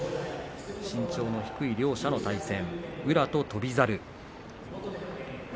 身長の低い両者の対戦宇良、翔猿です。